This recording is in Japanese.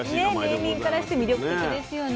ネーミングからして魅力的ですよね。